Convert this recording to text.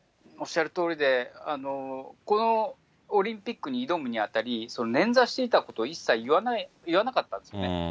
おっしゃるとおりで、このオリンピックに挑むにあたり、捻挫していたこと、一切言わなかったんですよね。